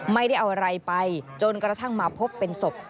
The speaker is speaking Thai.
ไม่ได้เอาอะไรไปจนกระทั่งมาพบเป็นศพ